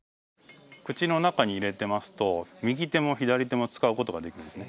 口の中に入れてますと右手も左手も使うことができるんですね